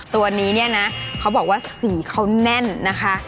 ตัวนี้เนี่ยนะเขาบอกว่าสีเขาแน่นนะคะ